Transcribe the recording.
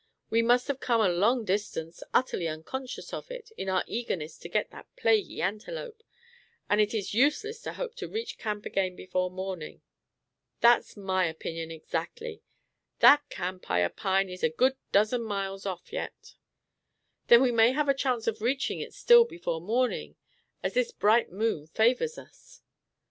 We must have come a long distance, utterly unconscious of it, in our eagerness to get that plaguey antelope, and it is useless to hope to reach camp again before morning." "That's my opinion, exactly. That camp, I opine, is a good dozen miles off yet." "Then we may have a chance of reaching it still before morning, as this bright moon favors us."